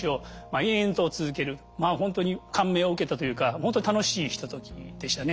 まあほんとに感銘を受けたというかほんとに楽しいひとときでしたね。